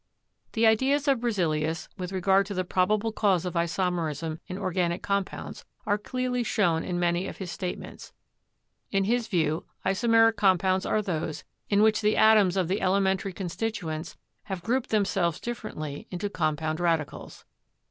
The ideas of Berzelius with regard to the probable cause of isomerism in organic compounds are clearly shown in many of his statements ; in his view isomeric compounds are those in which the atoms of the elementary constituents have grouped themselves differently into com pound radicals.